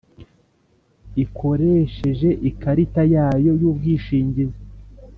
ikoresheje ikarita yayo y ubwishingizi.